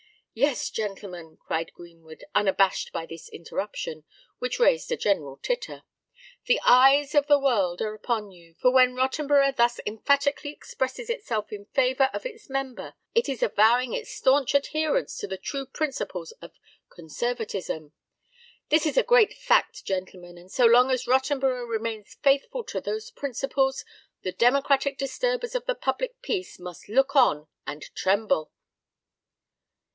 "Yes, gentlemen," continued Greenwood, unabashed by this interruption, which raised a general titter; "the eyes of the world are upon you; for when Rottenborough thus emphatically expresses itself in favour of its member, it is avowing its stanch adherence to the true principles of Conservatism. This is a great fact, gentlemen; and so long as Rottenborough remains faithful to those principles, the democratic disturbers of the public peace must look on and tremble!"